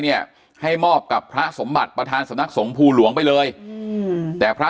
เนี่ยให้มอบกับพระสมบัติประธานสำนักสงภูหลวงไปเลยอืมแต่พระ